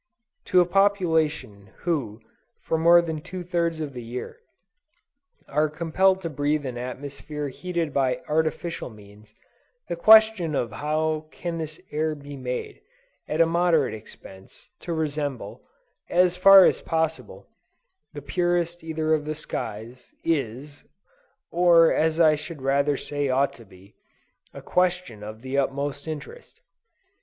To a population, who, for more than two thirds of the year, are compelled to breathe an atmosphere heated by artificial means, the question how can this air be made, at a moderate expense, to resemble, as far as possible, the purest ether of the skies is, (or as I should rather say ought to be,) a question of the utmost interest.